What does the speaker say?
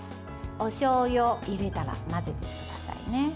おしょうゆを入れたら混ぜてくださいね。